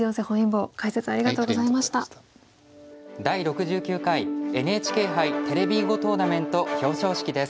「第６９回ＮＨＫ杯テレビ囲碁トーナメント」表彰式です。